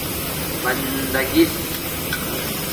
بندَگس